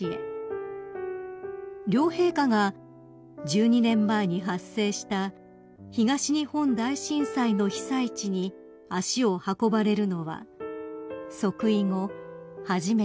［両陛下が１２年前に発生した東日本大震災の被災地に足を運ばれるのは即位後初めてです］